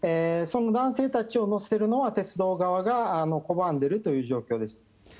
その男性たちを乗せるのは鉄道側が拒んでいる状況です。